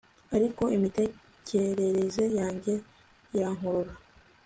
ariko imitekerereze yanjye irankurura